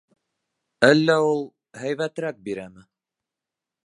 Әллә ул... һәйбәтерәк бирәме?